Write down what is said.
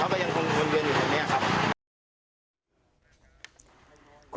เขาก็ยังคงคงเงินอยู่แบบเนี้ยครับ